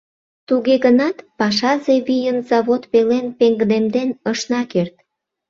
Туге гынат пашазе вийым завод пелен пеҥгыдемден ышна керт.